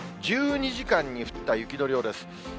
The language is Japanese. １２時間に降った雪の量です。